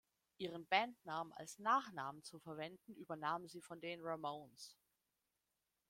Ihren Bandnamen als Nachnamen zu verwenden, übernahmen sie von den Ramones.